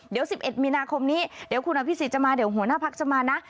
เดี๋ยว๑๑มีนาคมนี้เดี๋ยวคุณอภิษฎจะมาเดี๋ยวหัวหน้าพักจะมานะ